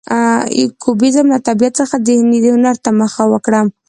کوبیزم له طبیعت څخه ذهني هنر ته مخه وکړه.